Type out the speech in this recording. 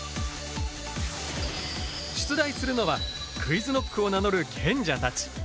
出題するのはＱｕｉｚＫｎｏｃｋを名乗る賢者たち。